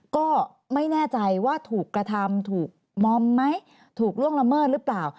ก็ไม่แน่ใจว่าถูกกระทำถูกมอมไหมถูกล่วงละเมิดหรือเปล่า